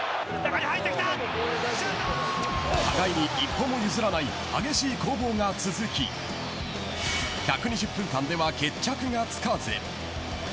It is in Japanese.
お互いに一歩も譲らない激しい攻防が続き１２０分間では決着がつかず。